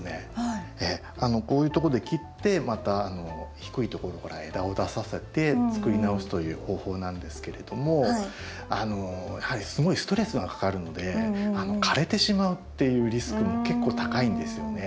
こういうとこで切ってまた低いところから枝を出させて作り直すという方法なんですけれどもあのやはりすごいストレスがかかるので枯れてしまうっていうリスクも結構高いんですよね。